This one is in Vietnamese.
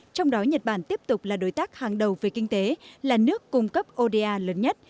trong đó nhật bản tiếp tục là đối tác hàng đầu về kinh tế là nước cung cấp oda lớn nhất